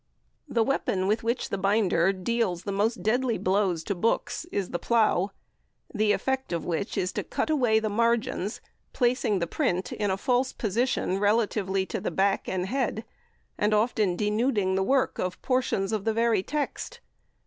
The weapon with which the binder deals the most deadly blows to books is the "plough," the effect of which is to cut away the margins, placing the print in a false position relatively to the back and head, and often denuding the work of portions of the very text.